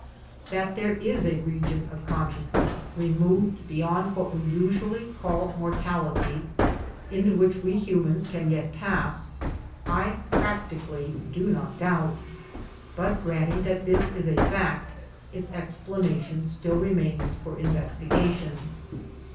That there is a region of consciousness removed beyond what we usually call mortality, into which we humans can yet pass, I practically do not doubt; but granting that this is a fact, its explanation still remains for investigation.